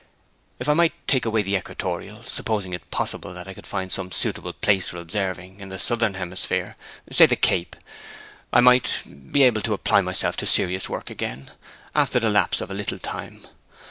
'If I might take away the equatorial, supposing it possible that I could find some suitable place for observing in the southern hemisphere, say, at the Cape, I might be able to apply myself to serious work again, after the lapse of a little time.